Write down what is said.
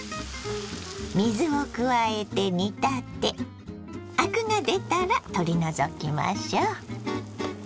水を加えて煮立てアクが出たら取り除きましょ。